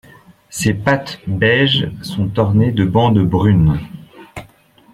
Ses pattes beige sont ornées de bandes brunes.